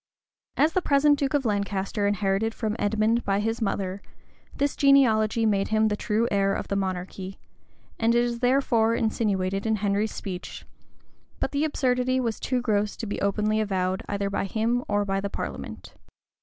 As the present duke of Lancaster inherited from Edmond by his mother, this genealogy made him the true heir of the monarchy, and it is therefore insinuated in Henry's speech: but the absurdity was too gross to be openly avowed either by him or by the parliament.